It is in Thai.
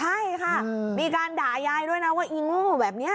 ใช่ค่ะมีการด่ายายด้วยนะว่าอีโง่แบบนี้